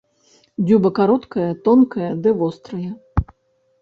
Дзюба кароткая, тонкая ды вострая.